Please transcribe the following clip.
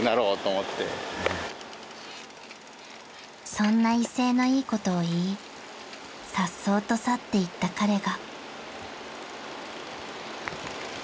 ［そんな威勢のいいことを言いさっそうと去っていった彼が］